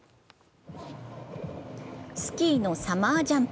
スキーのサマージャンプ。